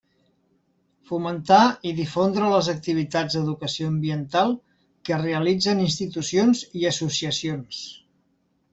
Fomentar i difondre les activitats d'educació ambiental que realitzen institucions i associacions.